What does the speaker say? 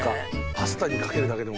パスタにかけるだけでも。